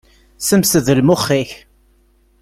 Semsed lmux-ik.